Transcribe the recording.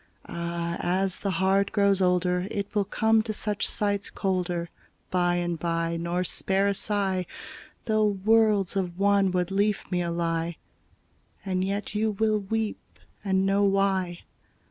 Áh! ás the heart grows older It will come to such sights colder By and by, nor spare a sigh Though worlds of wanwood leafmeal lie; And yet you wíll weep and know why.